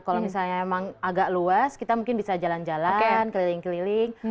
kalau misalnya emang agak luas kita mungkin bisa jalan jalan keliling keliling